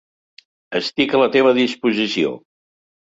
Estic a la teva disposició.